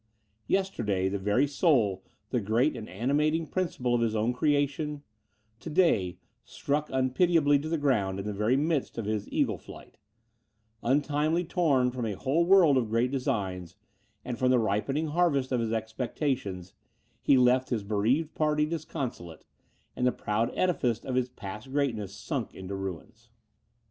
Yesterday, the very soul, the great and animating principle of his own creation; to day, struck unpitiably to the ground in the very midst of his eagle flight; untimely torn from a whole world of great designs, and from the ripening harvest of his expectations, he left his bereaved party disconsolate; and the proud edifice of his past greatness sunk into ruins.